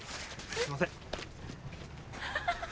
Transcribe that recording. すいません。